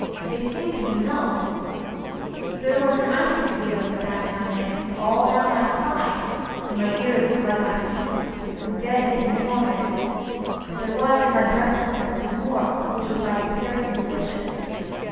They seemed to be numbed. There was an icy feeling at the back of my neck and all down my spine, and my ears, like my feet, were dead yet in torment; but there was in my breast a sense of warmth which was by comparison delicious.